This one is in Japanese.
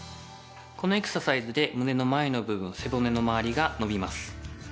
このエクササイズで胸の前の部分背骨の回りが伸びます。